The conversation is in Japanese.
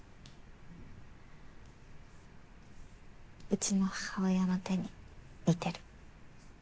うちの母親の手に似てる。